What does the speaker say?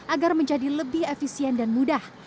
agar menjadi lebih efisien dan mudah